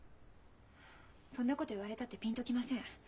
そんなこと言われたってピンと来ません。